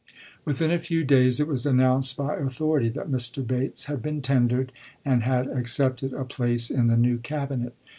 Within a few days it was announced by author ity that Mr. Bates had been tendered and had ac cepted a place in the new Cabinet.